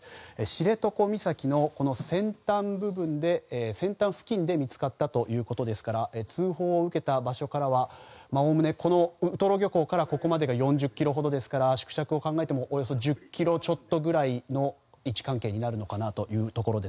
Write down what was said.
知床岬の先端付近で見つかったということですから通報を受けた場所からはおおむね、ウトロ漁港からここまで４０ｋｍほどですから縮尺を考えてもおよそ１０ｋｍちょっとぐらいの位置関係になると思います。